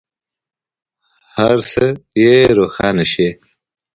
هر څه یې روښانه شي.